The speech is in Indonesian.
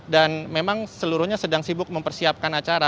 dan memang seluruhnya sedang sibuk mempersiapkan acara